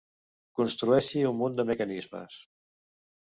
Construeixi un munt de mecanismes.